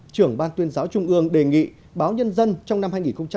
trưởng ban tuyên giáo trung ương đề nghị báo nhân dân trong năm hai nghìn một mươi tám